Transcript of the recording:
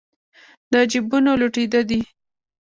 د جېبونو لوټېده دي